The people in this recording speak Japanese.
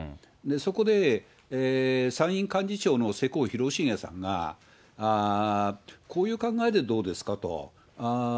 そこで参院幹事長の世耕弘成さんが、こういう考えでどうですかと。